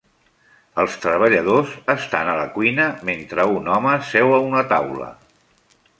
Els treballadors estan a la cuina mentre un home seu a una taula.